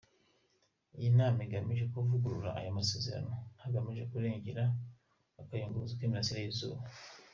Iyi nama igamije kuvugurura aya masezerano hagamijwe kurengera akayunguruzo k’imirasire y’izuba.